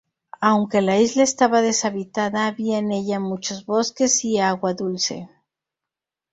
Aunque la isla estaba deshabitada, había en ella muchos bosques y agua dulce.